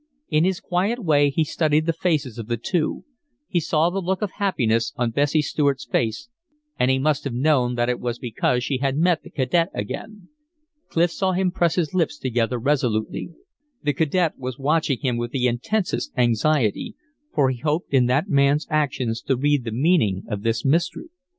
In his quiet way he studied the faces of the two; he saw the look of happiness on Bessie Stuart's face, and he must have known that it was because she had met the cadet again. Clif saw him press his lips together resolutely. The cadet was watching him with the intensest anxiety, for he hoped in that man's actions to read the meaning of this mystery.